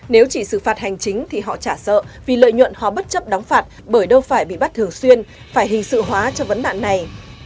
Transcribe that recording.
nếu chỉ xử phạt hành chính thì họ chả sợ vì lợi nhuận họ bất chấp đóng phạt bởi đâu phải bị bắt thường xuyên phải hình sự hóa cho vấn đạn này